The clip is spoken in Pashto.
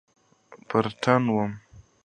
پر تن وه.